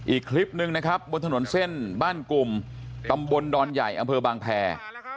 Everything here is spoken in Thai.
อีกคลิปหนึ่งนะครับบนถนนเส้นบ้านกลุ่มตำบลดอนใหญ่อำเภอบางแพร